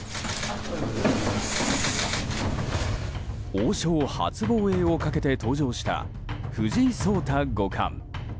王将初防衛をかけて登場した藤井聡太五冠。